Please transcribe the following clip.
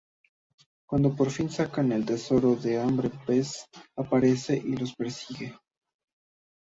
Cuando por fin sacan el tesoro, el Hombre Pez aparece y los persigue.